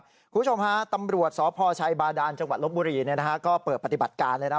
คุณผู้ชมฮะตำรวจสพชัยบาดานจังหวัดลบบุรีก็เปิดปฏิบัติการเลยนะ